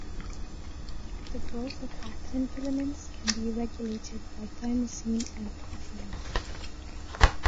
The growth of actin filaments can be regulated by thymosin and profilin.